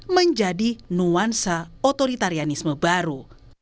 menjadi nuansa otoritarianisme baru